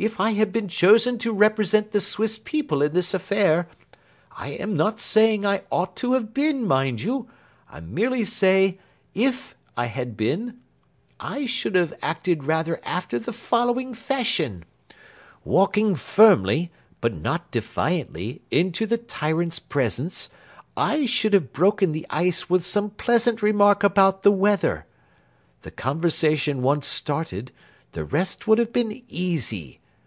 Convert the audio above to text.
If I had been chosen to represent the Swiss people in this affair I am not saying I ought to have been, mind you; I merely say if I had been I should have acted rather after the following fashion: Walking firmly, but not defiantly, into the tyrant's presence, I should have broken the ice with some pleasant remark about the weather. The conversation once started, the rest would have been easy.